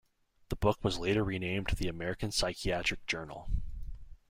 The book was later renamed the American Psychiatric Journal.